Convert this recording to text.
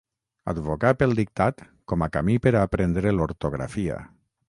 Advocà pel dictat com a camí per a aprendre l'ortografia.